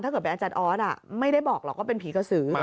เกิดเป็นอาจารย์ออสไม่ได้บอกหรอกว่าเป็นผีกระสือ